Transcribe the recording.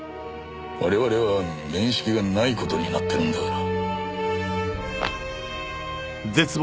我々は面識がない事になっているんだから。